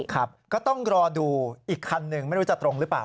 ครับก็ต้องรอดูอีกคันหนึ่งไม่รู้จะตรงหรือเปล่า